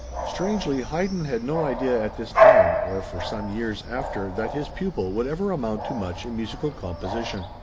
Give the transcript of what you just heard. Strangely, Haydn had no idea at this time or for some years after that his pupil would ever amount to much in musical composition.